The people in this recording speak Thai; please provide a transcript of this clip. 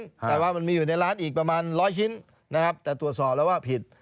แต่ว่ามันมีอยู่ในร้านอีกประมาณร้อยชิ้นนะครับแต่ตรวจสอบแล้วว่าผิด